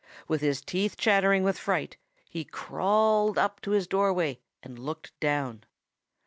With his teeth chattering with fright, he crawled up to his doorway and looked down.